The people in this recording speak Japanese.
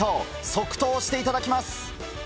即答していただきます。